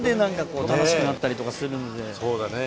そうだね。